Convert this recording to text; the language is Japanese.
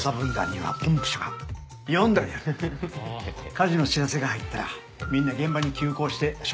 火事の知らせが入ったらみんな現場に急行して消火にあたるんや。